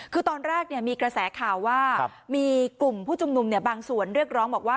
คือตอนแรกมีกระแสข่าวว่ามีกลุ่มผู้ชุมนุมบางส่วนเรียกร้องบอกว่า